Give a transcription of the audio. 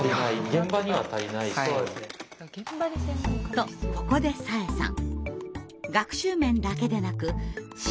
とここで紗英さん。